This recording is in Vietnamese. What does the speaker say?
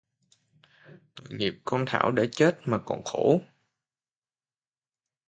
Tội nghiệp con Thảo đã chết mà còn khổ